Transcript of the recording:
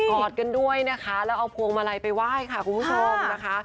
อดกันด้วยนะคะแล้วเอาพวงมาลัยไปไหว้ค่ะคุณผู้ชมนะคะ